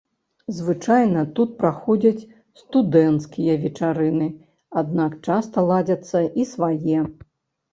Звычайна тут праходзяць студэнцкія вечарыны, аднак часта ладзяцца і свае.